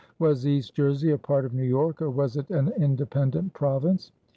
Was East Jersey a part of New York, or was it an independent province?